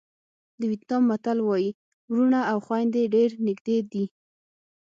د وېتنام متل وایي وروڼه او خویندې ډېر نږدې دي.